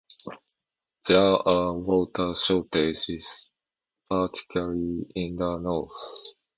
There are water shortages, particularly in the north.